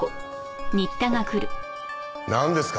なんですか？